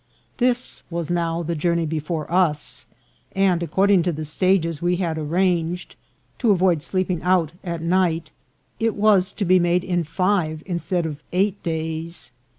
This was now the journey before us ; and, according to the stages we had arranged, to avoid sleeping out at night, it was to be made in five instead of eight days.